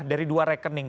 dari dua rekening